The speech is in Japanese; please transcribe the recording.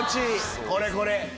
これこれ。